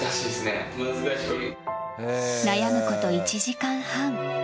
悩むこと１時間半。